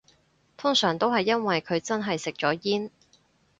通常都係因為佢真係食咗煙